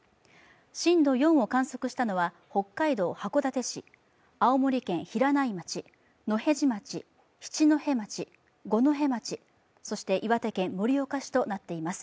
震度４を観測したのは北海道函館市、青森県平内町、野辺地町、七戸町、五戸町、そして岩手県盛岡市となっています。